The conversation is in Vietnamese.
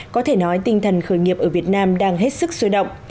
có thể nói tinh thần khởi nghiệp ở việt nam đang hết sức sôi động